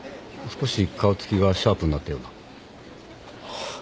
少し顔つきがシャープになったような。